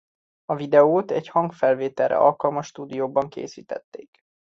A videót egy hangfelvételre alkalmas stúdióban készítették.